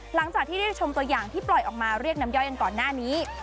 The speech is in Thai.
หลังจากที่เรียกชมตัวอย่างที่ปล่อยออกมาเรียกน้ำย่อยกันก่อนหน้านี้